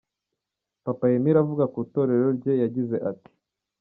Papa Emile avuga ku itorero rye yagize ati:.